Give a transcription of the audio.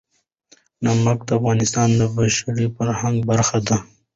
نمک د افغانستان د بشري فرهنګ برخه ده.